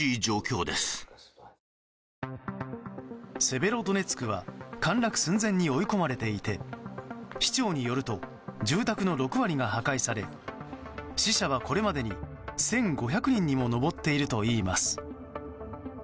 セベロドネツクは陥落寸前に追い込まれていて市長によると住宅の６割が破壊され死者はこれまでに１５００人にも上っているといいます。